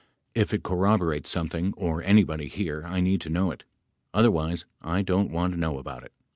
If it corroborates something or anybody here I need to know it — otherwise I don't, want to know about it."